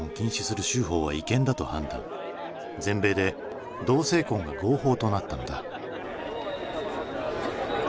全米で同性婚が合法となったのだ。